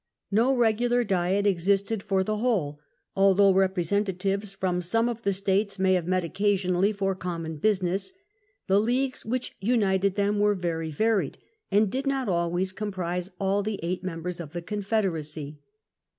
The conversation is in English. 110 THE END OF THE MIDDLE AGE No regular Diet existed for the whole, although repre sentatives from some of the States may have met oc casionally for common business ; the Leagues which united them were very varied and did not always com prise all the eight members of the Confederacy.